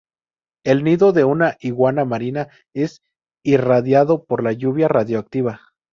El nido de una iguana marina es irradiado por la lluvia radioactiva.